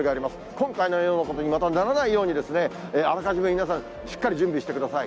今回のようなことにまたならないようにですね、あらかじめ皆さん、しっかり準備してください。